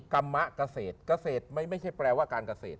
กรรมะเกษตรเกษตรไม่ใช่แปลว่าการเกษตร